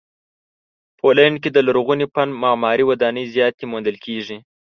پولنډ کې د لرغوني فن معماري ودانۍ زیاتې موندل کیږي.